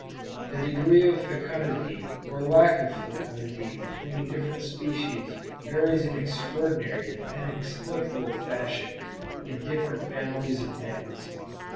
The degree of fecundity or lack of fecundity between different species varies in extraordinary and inexplicable fashion in different families of mammals.